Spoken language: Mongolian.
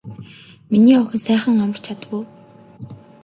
Миний охин сайхан амарч чадав уу.